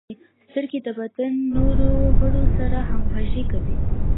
• سترګې د بدن نورو غړو سره همغږي کوي.